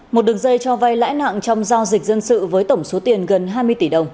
một đường dây cho vay lãi nặng trong giao dịch dân sự với tổng số tiền gần hai mươi tỷ đồng